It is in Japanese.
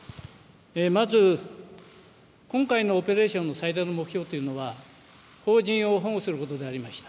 まず今回のオペレーションの最大の目標というのは邦人を保護することでありました。